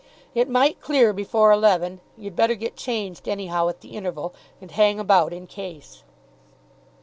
"It might clear before eleven. You'd better get changed, anyhow, at the interval, and hang about in case."